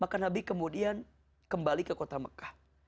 maka nabi kemudian kembali ke kota mekah